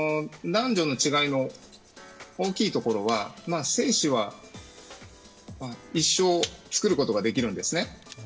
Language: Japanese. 男女の違いの大きいところは精子は一生作ることができるんですね。